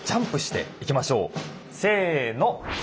せの！